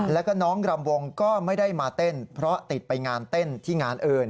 แล้วก็น้องรำวงก็ไม่ได้มาเต้นเพราะติดไปงานเต้นที่งานอื่น